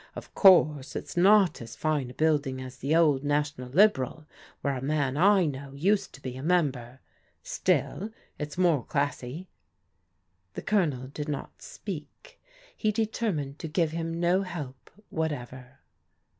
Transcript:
Of course it's not as fine a building as the old National Liberal, where a man I know used to be a mem ber; still it's more classy. The Colonel did not speak. He determined to g^ve him no help whatever.